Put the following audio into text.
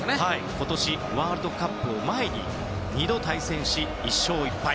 今年ワールドカップを前に２度対戦し１勝１敗。